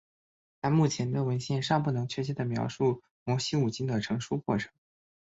但目前的文献尚不能确切地描述摩西五经的成书过程。